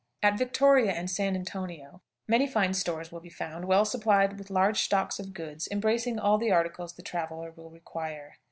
At Victoria and San Antonio many fine stores will be found, well supplied with large stocks of goods, embracing all the articles the traveler will require.